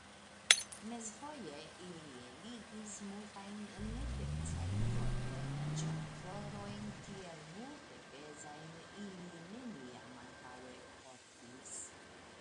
Mezvoje ili eligis multajn nedecajn vortojn, ĉar florojn tiel multepezajn ili neniam antaŭe portis.